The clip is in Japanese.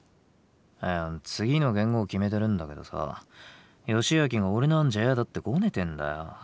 いや次の元号決めてるんだけどさ義昭が俺の案じゃ嫌だってゴネてんだよ。